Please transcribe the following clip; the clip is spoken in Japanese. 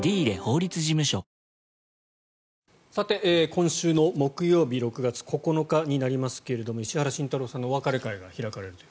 今週の木曜日６月９日になりますが石原慎太郎さんのお別れ会が開かれると。